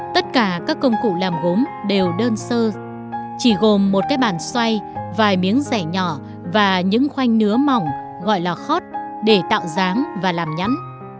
tất cả các công cụ làm gốm đều đơn sơ chỉ gồm một cái bàn xoay vài miếng rẻ nhỏ và những khoanh nứa mỏng gọi là khot để tạo dáng và làm nhãn